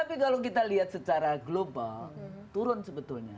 tapi kalau kita lihat secara global turun sebetulnya